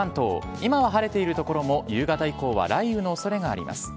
今は晴れている所も、夕方以降は雷雨のおそれがあります。